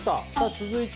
続いて。